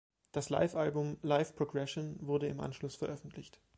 Das Live-Album "Live-Progression" wurde im Anschluss veröffentlicht.